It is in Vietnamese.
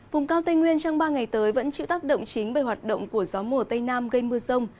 vùng cao tây nguyên trong ba ngày tới vẫn chịu tác động chính về hoạt động của gió mùa tây nam gây mưa rông